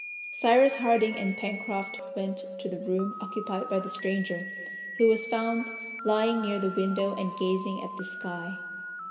Cyrus Harding and Pencroft went to the room occupied by the stranger, who was found lying near the window and gazing at the sky.